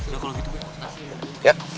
ya kalau gitu boy